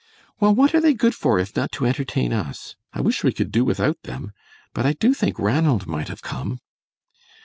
"Well, what are they good for if not to entertain us? I wish we could do without them! But I do think Ranald might have come."